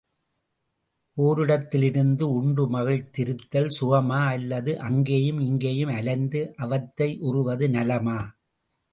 ஒரிடத்திலிருந்து உண்டு மகிழ்ந்திருத்தல் சுகமா, அல்லது அங்கேயும் இங்கேயும் அலைந்து அவத்தை யுறுவது நலமா?